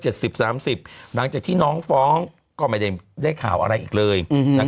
หลังจากที่น้องฟ้องก็ไม่ได้ข่าวอะไรอีกเลย